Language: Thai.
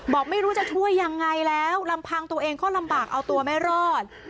บอกไม่รู้จะช่วยยังไงแล้วลำพังตัวเองก็ลำบากเอาตัวไม่รอด